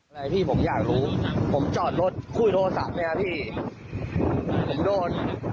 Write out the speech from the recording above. มันมีข้อหานี้ด้วยครับผมพึ่งรู้